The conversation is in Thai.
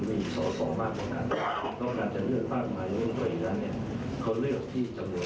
แทนแมนส่วนที่ส่วนแทนโดยความเข้าใจตอนนี้